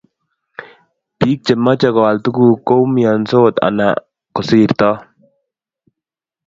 biik chemache koal tuguk koumiansot anan kosirto